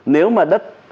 nếu mà đất